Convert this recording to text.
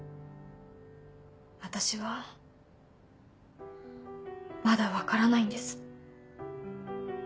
私はまだ分からないんです。